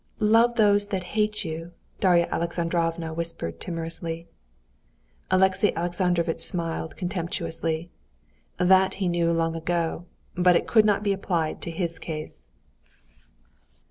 "Love those that hate you...." Darya Alexandrovna whispered timorously. Alexey Alexandrovitch smiled contemptuously. That he knew long ago, but it could not be applied to his case.